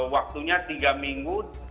waktunya tiga minggu